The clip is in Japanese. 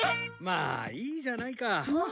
まあいいじゃないか。